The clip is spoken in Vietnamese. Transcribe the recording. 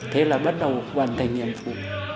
thế là bắt đầu hoàn thành nghiệm phủ